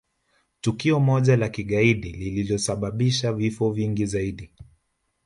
tukio moja la kigaidi lililosababisha vifo vingi zaidi